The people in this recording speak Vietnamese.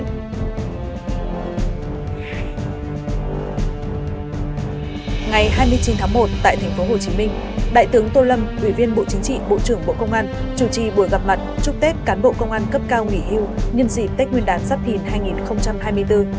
ngày hai mươi chín tháng một tại tp hcm đại tướng tô lâm ủy viên bộ chính trị bộ trưởng bộ công an chủ trì buổi gặp mặt chúc tết cán bộ công an cấp cao nghỉ hưu nhân dịp tết nguyên đán giáp thìn hai nghìn hai mươi bốn